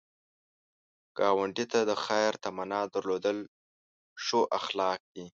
ګاونډي ته د خیر تمنا درلودل ښو اخلاق دي